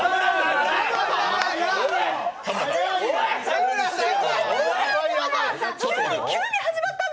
田村さん？